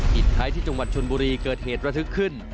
ผิดท้ายที่จังหวัดชนบุรีเกิดเหตุระทึกขึ้น